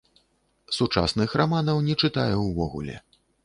Сучасных раманаў не чытаю ўвогуле.